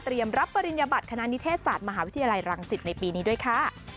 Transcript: รับปริญญบัติคณะนิเทศศาสตร์มหาวิทยาลัยรังสิตในปีนี้ด้วยค่ะ